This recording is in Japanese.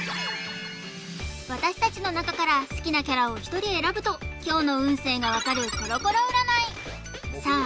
私たちの中から好きなキャラを１人選ぶと今日の運勢が分かるコロコロ占いさあ